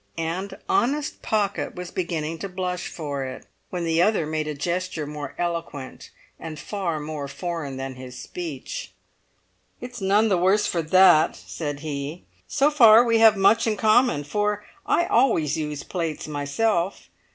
And honest Pocket was beginning to blush for it, when the other made a gesture more eloquent and far more foreign than his speech. "It's none the worse for that," said he. "So far we have much in common, for I always use plates myself.